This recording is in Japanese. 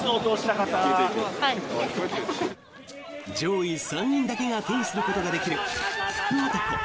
上位３人だけが手にすることができる福男。